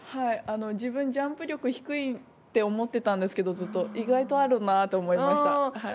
自分、ジャンプ力低いって思ってたんですけど意外とあるなと思いました。